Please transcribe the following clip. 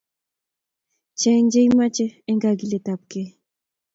Cheng' che imache eng' kagiletabkei.